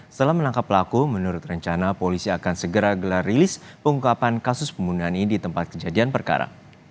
setelah menangkap pelaku menurut rencana polisi akan segera gelar rilis pengungkapan kasus pembunuhan ini di tempat kejadian perkara